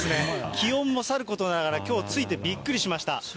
気温もさることながら、きょう、着いてびっくりしました。